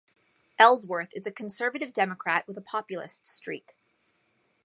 Ellsworth is a conservative Democrat with a populist streak.